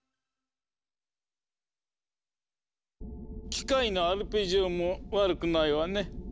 機械のアルペジオも悪くないわね。